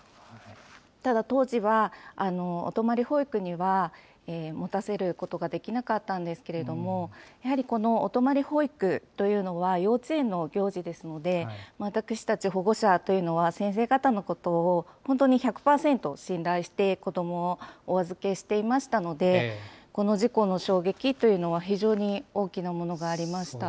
ただ当時は、お泊まり保育には持たせることができなかったんですけれども、やはりこのお泊り保育というのは、幼稚園の行事ですので、私たち保護者というのは、先生方のことを本当に１００％信頼して、子どもをお預けしていましたので、この事故の衝撃というのは非常に大きなものがありました。